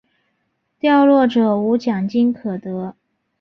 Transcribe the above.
掉落者无奖金可得。